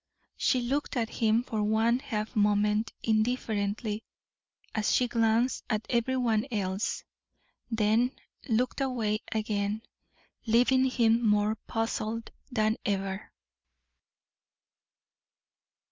She looked at him for one half moment, indifferently, as she glanced at every one else, then looked away again, leaving him more puzzled than ever.